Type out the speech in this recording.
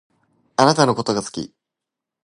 あなたのことが好き。